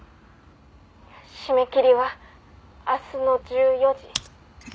「締め切りは明日の１４時」